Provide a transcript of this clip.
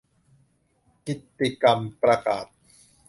กิตติกรรมประกาศ